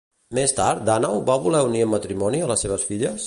Més tard Dànau va voler unir en matrimoni a les seves filles?